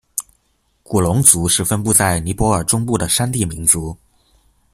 古隆族是分布在尼泊尔中部的山地民族。